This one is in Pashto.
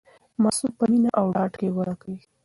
ماسوم په مینه او ډاډ کې وده کوي.